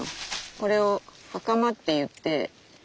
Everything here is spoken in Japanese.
これをはかまっていって。